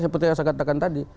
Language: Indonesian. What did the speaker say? seperti yang saya katakan tadi